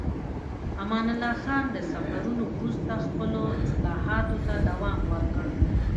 امان الله خان د سفرونو وروسته خپلو اصلاحاتو ته دوام ورکړ.